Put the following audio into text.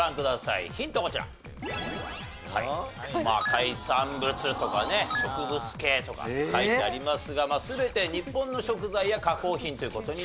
海産物とかね植物系とか書いてありますが全て日本の食材や加工品という事になります。